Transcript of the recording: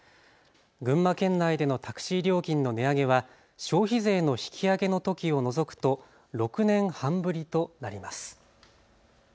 群馬県内でのタクシー料金の値上げは消費税の引き上げのときを除くと６年半ぶりとなります。